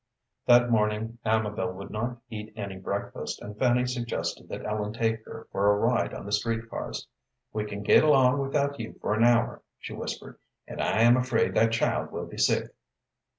That morning Amabel would not eat any breakfast, and Fanny suggested that Ellen take her for a ride on the street cars. "We can get along without you for an hour," she whispered, "and I am afraid that child will be sick."